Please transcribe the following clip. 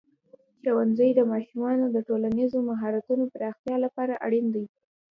ښوونځی د ماشومانو د ټولنیزو مهارتونو پراختیا لپاره اړین دی.